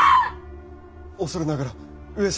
恐れながら上様。